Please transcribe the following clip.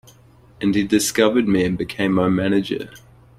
And he discovered me and became my manager.